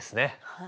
はい。